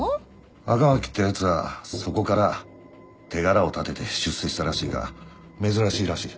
赤巻ってやつはそこから手柄を立てて出世したらしいが珍しいらしい。